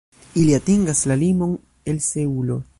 Ili atingas la limon el Seulo.